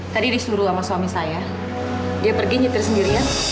tadi disuruh sama suami saya dia pergi nyetir sendirian